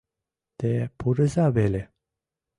— Те пурыза веле.